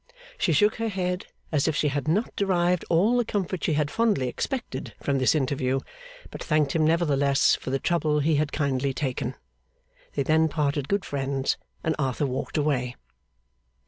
She shook her head as if she had not derived all the comfort she had fondly expected from this interview, but thanked him nevertheless for the trouble he had kindly taken. They then parted good friends, and Arthur walked away.